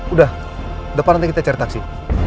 udah depan nanti kita cari taksi